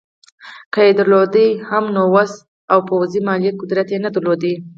که یې درلود هم نو وس او پوځي او مالي قدرت یې نه درلود.